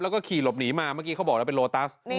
แล้วก็ขี่หลบหนีมาเมื่อกี้เขาบอกแล้วเป็นโลตัส